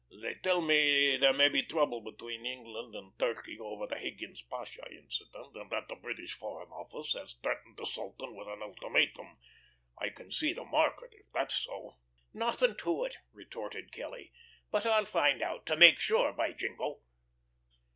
They tell me there may be trouble between England and Turkey over the Higgins Pasha incident, and that the British Foreign Office has threatened the Sultan with an ultimatum. I can see the market if that's so." "Nothing in it," retorted Kelly. "But I'll find out to make sure, by jingo."